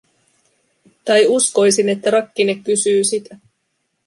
Tai uskoisin, että rakkine kysyy sitä.